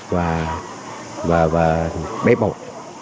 và bé bồng